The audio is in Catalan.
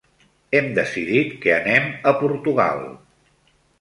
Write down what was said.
Hem decidit que anem a Portugal.